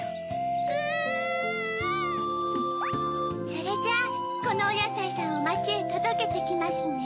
それじゃあこのおやさいさんをまちへとどけてきますね。